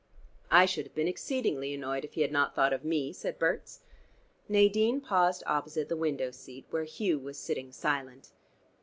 "I should have been exceedingly annoyed if He had not thought of me," said Berts. Nadine paused opposite the window seat, where Hugh was sitting silent.